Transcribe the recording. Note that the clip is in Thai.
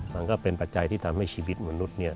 มันก็เป็นปัจจัยที่ทำให้ชีวิตมนุษย์เนี่ย